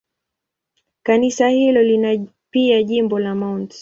Kanisa hilo lina pia jimbo la Mt.